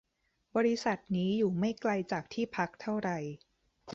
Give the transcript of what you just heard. บริษัทนี้อยู่ไม่ไกลจากที่พักเท่าไร